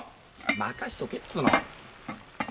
任しとけっつーの。